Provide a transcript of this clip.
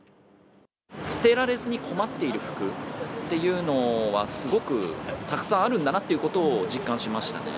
捨てられずに困っている服っていうのは、すごくたくさんあるんだなっていうことを実感しましたね。